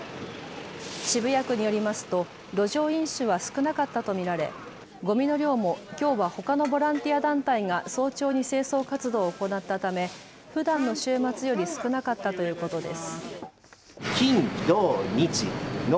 渋谷区によりますと路上飲酒は少なかったと見られごみの量もきょうはほかのボランティア団体が早朝に清掃活動を行ったため、ふだんの週末より少なかったということです。